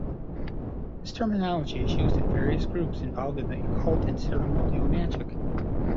This terminology is used in various groups involved in the occult and ceremonial magic.